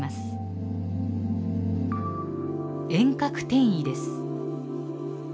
遠隔転移です。